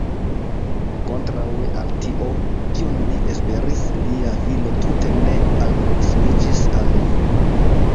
Kontraŭe al tio, kion li esperis, lia filo tute ne alproksimiĝis al li.